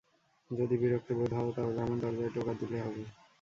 যদি বিরক্তবোধ হও তাহলে আমার দরজায় টোকা দিলে হবে।